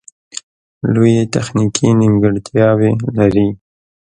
لویې تخنیکې نیمګړتیاوې لري